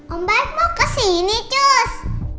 om baik mau kesini cus